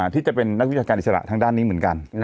ที่จะเป็นนักวิชาการอิสระทางด้านนี้เหมือนกัน